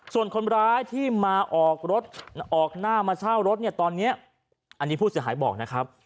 ส่วนคนร้ายที่มาออกรถออกหน้ามาเช่ารถเนี่ยตอนนี้อันนี้ผู้เสียหายบอกนะครับ